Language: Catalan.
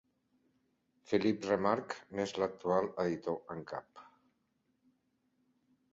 Philippe Remarque n'és l'actual editor en cap.